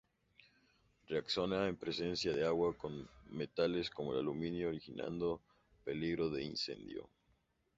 Reacciona en presencia de agua con metales, como el aluminio, originando peligro de incendio.